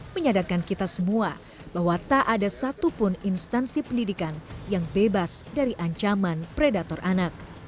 menyadarkan kita semua bahwa tak ada satupun instansi pendidikan yang bebas dari ancaman predator anak